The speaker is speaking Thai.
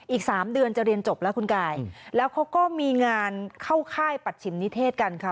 อีกสามเดือนจะเรียนจบแล้วคุณกายแล้วเขาก็มีงานเข้าค่ายปัจฉิมนิเทศกันค่ะ